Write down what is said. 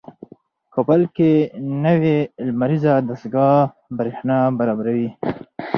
کابل کې نوې لمریزه دستګاه برېښنا برابروي.